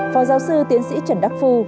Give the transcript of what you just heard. phó giáo sư tiến sĩ trần đắc phu